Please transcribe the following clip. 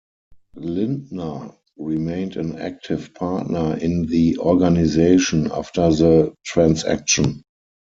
Lindner remained an active partner in the organization after the transaction.